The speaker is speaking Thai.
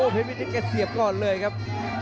เก็บเสียบก้อนเลยครับ